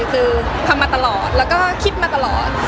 คือทำมาตลอดแล้วก็คิดมาตลอด